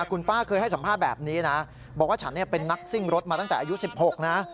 คุณป้าเคยให้สัมภาษณ์แบบนี้นะบอกว่าฉันเป็นนักซิ่งรถมาตั้งแต่อายุ๑๖นะ